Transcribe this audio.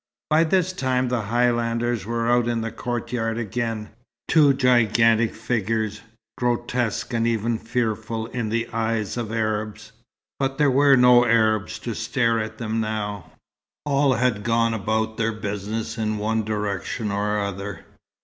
By this time the Highlanders were out in the courtyard again two gigantic figures, grotesque and even fearful in the eyes of Arabs; but there were no Arabs to stare at them now. All had gone about their business in one direction or other.